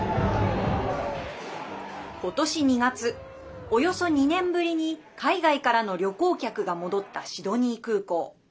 ことし２月、およそ２年ぶりに海外からの旅行客が戻ったシドニー空港。